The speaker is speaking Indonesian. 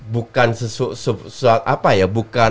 bukan sesuatu apa ya